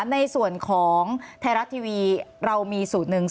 ในส่วนของไทยรัฐทีวีเรามีสูตรหนึ่ง